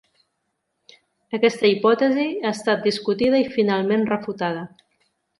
Aquesta hipòtesi ha estat discutida i finalment refutada.